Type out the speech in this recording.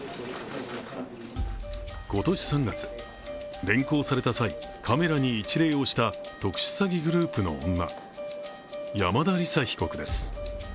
今年３月、連行された際カメラに一礼した特殊詐欺グループの女、山田李沙被告です。